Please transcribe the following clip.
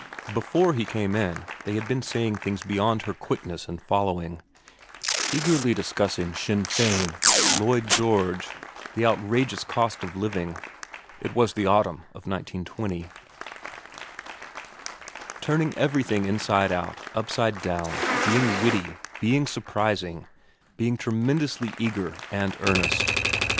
Before he came in they had been saying things beyond her quickness in following, eagerly discussing Sinn Fein, Lloyd George, the outrageous cost of living it was the autumn of 1920 turning every thing inside out, upside down, being witty, being surprising, being tremendously eager and earnest.